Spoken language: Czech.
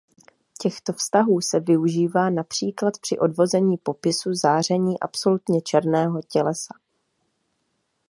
Těchto vztahů se využívá například při odvození popisu záření absolutně černého tělesa.